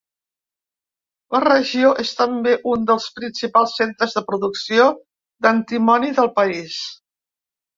La regió és també un dels principals centres de producció d'antimoni del país.